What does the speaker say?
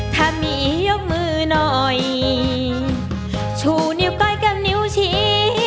ถ้ามียกมือหน่อยชูนิ้วใกล้กันนิ้วชี้